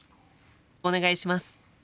お願いします。